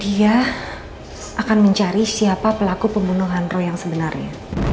dia akan mencari siapa pelaku pembunuhan roy yang sebenarnya